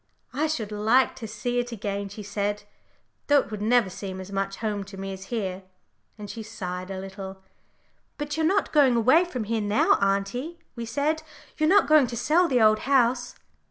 "I should like to see it again," she said; "though it would never seem as much home to me as here," and she sighed a little. "But you're not going away from here now, auntie," we said, "You're not going to sell the Old House?"